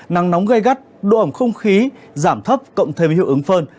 nắng nóng gai gắt độ ẩm không khí giảm thấp cộng thêm hữu ứng phơn